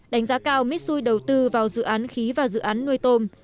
đánh giá cao mitsui đầu tư vào dự án khí và dự án nuôi tôm